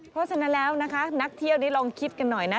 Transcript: เพราะฉะนั้นแล้วนะคะนักเที่ยวนี้ลองคิดกันหน่อยนะ